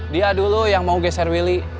dia dulu yang mau geser willy